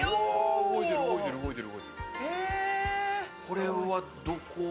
動いてる、動いてる。